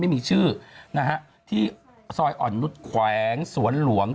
ไม่มีชื่อนะฮะที่ซอยอ่อนนุษย์แขวงสวนหลวง